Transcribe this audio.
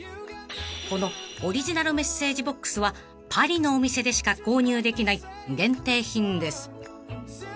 ［このオリジナルメッセージボックスはパリのお店でしか購入できない限定品です］